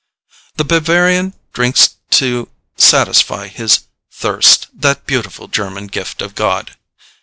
The Bavarian drinks to satisfy his "thirst, that beautiful German gift of God."